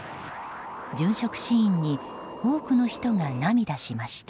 殉職シーンに多くの人が涙しました。